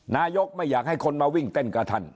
นายกไม่อยากให้คนมาวิ่งเต้นกับท่าน